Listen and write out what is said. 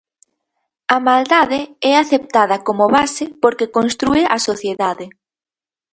A maldade é aceptada como base porque constrúe a sociedade.